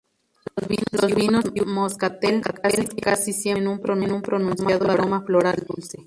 Los vinos y uvas moscatel casi siempre tienen un pronunciado aroma floral dulce.